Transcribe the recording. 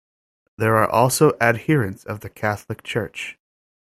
There are also adherents of the Catholic Church.